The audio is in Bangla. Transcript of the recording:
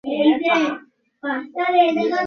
তার পূর্বপুরুষগণ ইংরেজ, স্কটিশ ও আইরিশ ছিলেন।